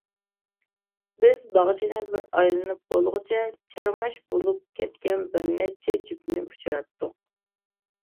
بىز باغچىنى بىر ئايلىنىپ بولغۇچە چىرماش بۇلۇق كەتكەن بىر نەچچە جۈپنى ئۇچراتتۇق.